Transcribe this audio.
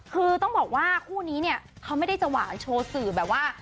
คือต้องบอกว่าคู่นี้เนี่ยเขาไม่ได้จะหวานโชว์สื่อแบบว่า